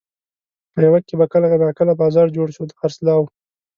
پېوه کې به کله ناکله بازار جوړ شو د خرڅلاو.